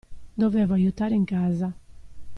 Dovevo aiutare in casa.